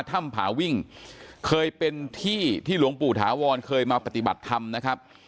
ถ้ำผาวิ่งเคยเป็นที่ที่หลวงปู่ถาวรเคยมาปฏิบัติธรรมนะครับ